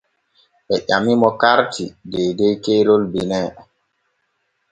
Ɓe ƴamimo karti deydey keerol Benin.